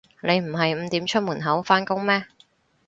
你唔係五點出門口返工咩